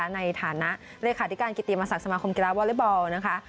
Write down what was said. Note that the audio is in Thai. ในฐานะเรขาดิการกิติมาสังสมาคมกีฬาวอลเล็ตบอล